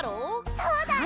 そうだね。